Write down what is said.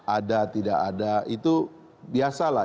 ada tidak ada itu biasa lah